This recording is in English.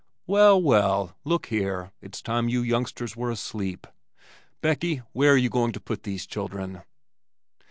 "Well, well! Look here, it's time you youngsters were asleep. Beckie, where are you going to put these children?"